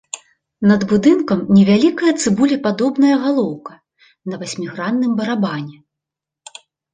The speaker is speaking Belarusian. Над будынкам невялікая цыбулепадобная галоўка на васьмігранным барабане.